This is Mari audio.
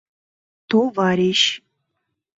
Товарищ!